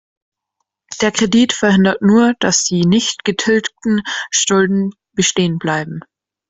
Der Kredit verhindert nur, dass die nicht getilgten Schulden bestehenbleiben.